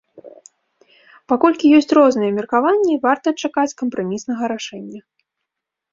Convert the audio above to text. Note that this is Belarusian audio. Паколькі ёсць розныя меркаванні, варта чакаць кампраміснага рашэння.